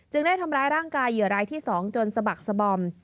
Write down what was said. ได้ทำร้ายร่างกายเหยื่อรายที่๒จนสะบักสบอม